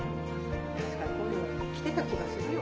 たしかこういうの着てた気がするよ。